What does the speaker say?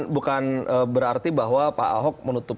bukan berarti bahwa pak ahok menutup